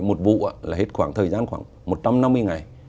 một vụ là hết khoảng thời gian khoảng một trăm năm mươi ngày